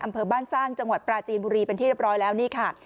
อำเภอบ้านสร้างจังหวัดปราจีนบุรีเป็นที่เรียบร้อยแล้วนี่ค่ะ